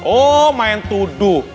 oh main tuduh